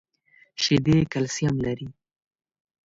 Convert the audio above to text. شیدې کلسیم لري .